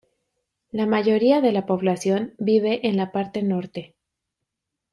La mayoría de la población vive en la parte norte.